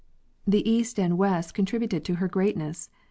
13 The east and the west contributed to her greatness.